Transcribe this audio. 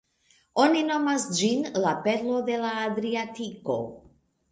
Oni nomas ĝin "la perlo de la Adriatiko".